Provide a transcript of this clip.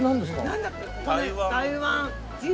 何だっけ？